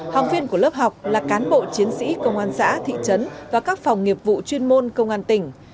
học viên của lớp học là cán bộ chiến sĩ công an xã thị trấn và các phòng nghiệp vụ chuyên môn công an tỉnh